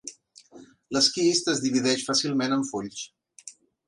L'esquist es divideix fàcilment en fulls.